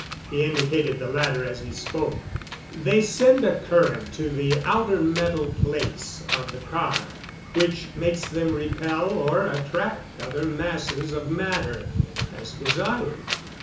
He indicated the latter as he spoke. "They send a current to the outer metal plates of the car which makes them repel or attract other masses of matter, as desired.